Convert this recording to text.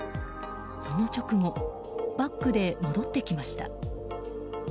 その直後バックで戻ってきました。